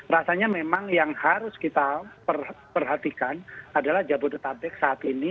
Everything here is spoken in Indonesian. rasanya memang yang harus kita perhatikan adalah jabodetabek saat ini